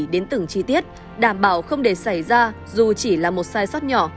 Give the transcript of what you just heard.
đến từng chi tiết đảm bảo không để xảy ra dù chỉ là một sai sót nhỏ